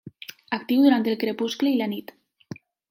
Actiu durant el crepuscle i la nit.